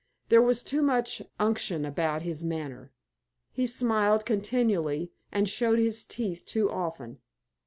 There was too much unction about his manner. He smiled continually, and showed his teeth too often.